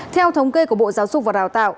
theo thống kê của bộ giáo dục và đào tạo